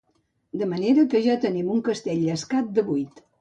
De manera que ja tenim un castell llescat de vuit.